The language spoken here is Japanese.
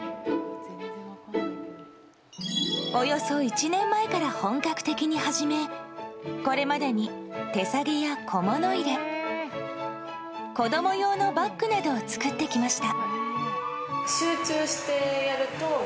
およそ１年前から本格的に始めこれまでに手提げや小物入れ子供用のバッグなどを作ってきました。